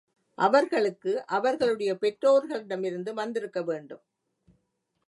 அவர்களுக்கு அவர்களுடைய பெற்றோர்களிடமிருந்து வந்திருக்கவேண்டும்.